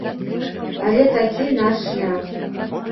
Але такі наш шлях.